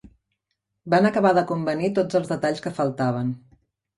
Van acabar de convenir tots els detalls que faltaven